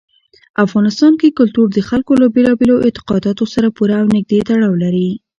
افغانستان کې کلتور د خلکو له بېلابېلو اعتقاداتو سره پوره او نږدې تړاو لري.